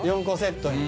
４個セット？